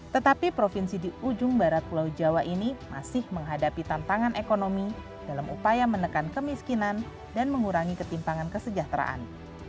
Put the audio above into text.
tetapi provinsi di ujung barat pulau jawa ini masih menghadapi tantangan ekonomi dalam upaya menekan kemiskinan dan mengurangi ketimpangan kesejahteraan